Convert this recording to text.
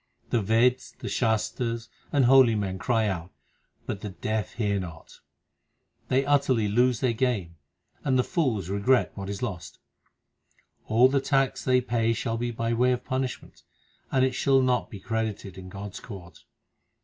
The Veds, the Shastars, and holy men cry out, but the deaf hear not. They utterly lose their game, and the fools regret what is lost. All the tax they pay shall be by way of punishment, and it shall not be credited in God s court.